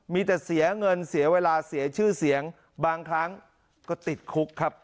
มีแต่เสียเงินเสียเวลาเสียชื่อเสียงบางครั้งก็ติดคุกครับ